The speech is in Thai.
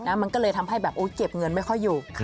มันก็เลยทำให้แบบเก็บเงินไม่ค่อยอยู่